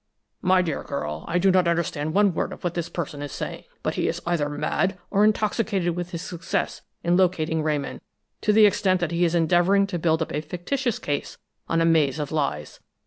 "My dear girl, I do not understand one word of what this person is saying, but he is either mad, or intoxicated with his success in locating Ramon, to the extent that he is endeavoring to build up a fictitious case on a maze of lies.